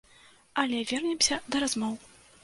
Але, вернемся да размоў.